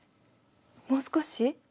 もう少し？